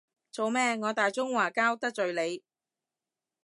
做咩，我大中華膠得罪你？